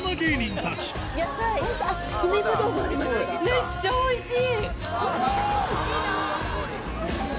めっちゃおいしい！